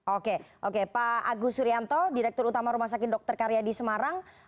oke oke pak agus suryanto direktur utama rumah sakit dr karyadi semarang